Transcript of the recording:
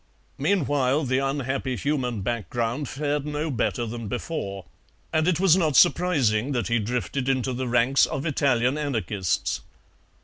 "Meanwhile, the unhappy human background fared no better than before, and it was not surprising that he drifted into the ranks of Italian anarchists.